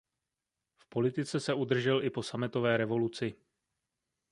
V politice se udržel i po sametové revoluci.